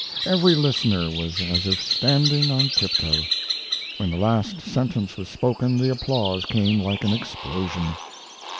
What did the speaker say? Every listener was as if standing on tiptoe. When the last sentence was spoken the applause came like an explosion.